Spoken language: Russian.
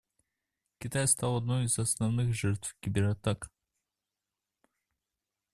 Китай стал одной из основных жертв кибератак.